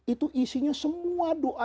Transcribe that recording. itu isinya semua doa